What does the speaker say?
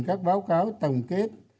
các báo cáo tổng kết